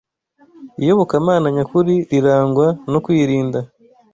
Iyobokamana nyakuri rirangwa no kwirinda